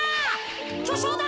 きょしょうだ！